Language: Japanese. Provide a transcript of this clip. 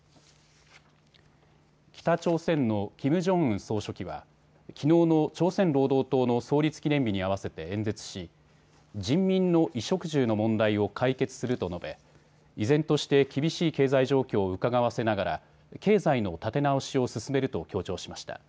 北朝鮮のキム・ジョンウン総書記はきのうの朝鮮労働党の創立記念日に合わせて演説し人民の衣食住の問題を解決すると述べ依然として厳しい経済状況をうかがわせながら経済の立て直しを進めると強調しました。